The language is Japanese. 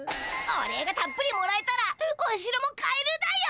お礼がたっぷりもらえたらおしろも買えるだよ。